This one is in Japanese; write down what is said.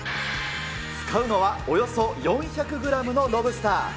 使うのはおよそ４００グラムのロブスター。